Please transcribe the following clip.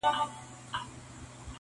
دې دوستی ته خو هیڅ لاره نه جوړیږي-